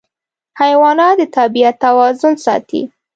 حیوانات د طبیعت توازن ساتي.